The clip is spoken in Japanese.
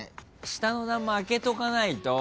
下の段も開けとかないと。